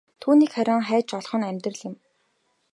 Түүнийг харин хайж олох нь амьдрал юм.